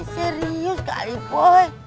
serius gak ibu